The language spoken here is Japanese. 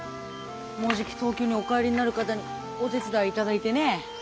もうじき東京にお帰りになる方にお手伝いいただいてねえ。